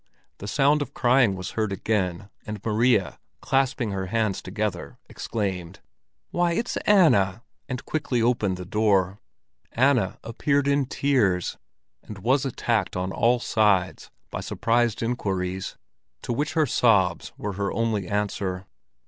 The sound of crying was heard again, and Maria, clasping her hands together, exclaimed: "Why, it's Anna!" and quickly opened the door. Anna entered in tears, and was attacked on all sides with surprised inquiries, to which her sobs were her only answer.